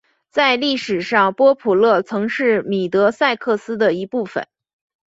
在历史上波普勒曾是米德塞克斯的一部分。